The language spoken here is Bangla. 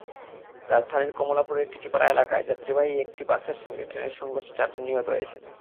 রাজধানীর কমলাপুরের টিটিপাড়া এলাকায় যাত্রীবাহী একটি বাসের সঙ্গে ট্রেনের সংঘর্ষে চারজন নিহত হয়েছেন।